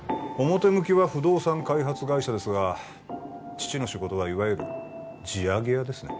表向きは不動産開発会社ですが父の仕事はいわゆる地上げ屋ですね